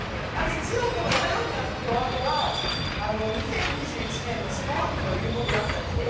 一応、おはようでやんすというワードが、２０２１年の下半期の流行語であったりとか。